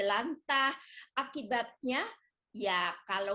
masa yang terakhir kepada penilaian masyarakat